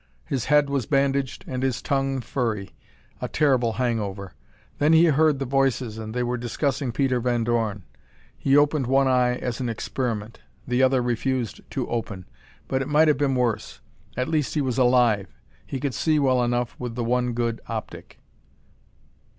His head was bandaged and his tongue furry. A terrible hangover. Then he heard voices and they were discussing Peter Van Dorn. He opened one eye as an experiment. The other refused to open. But it might have been worse. At least he was alive; he could see well enough with the one good optic.